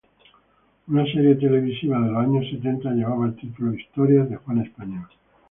Una serie televisiva de los años setenta llevaba el título "Historias de Juan Español".